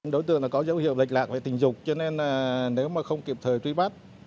đối tượng có dấu hiệu lệch lạc về tình dục cho nên nếu không kịp thời truy bắt